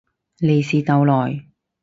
利是逗來